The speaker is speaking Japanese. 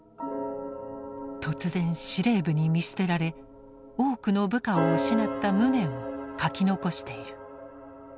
突然司令部に見捨てられ多くの部下を失った無念を書き残している。